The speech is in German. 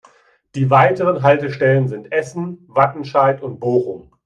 Die weiteren Haltestellen sind Essen, Wattenscheid und Bochum.